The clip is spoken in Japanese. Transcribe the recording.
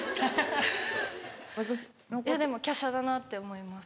いやでも華奢だなって思います。